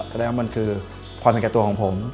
แสดงว่ามันคือความสังเกิดตัวของผม